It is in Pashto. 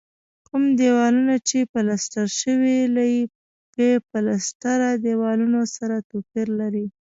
کوم دېوالونه چې پلستر شوي له بې پلستره دیوالونو سره توپیر لري.